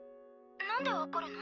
なんで分かるの？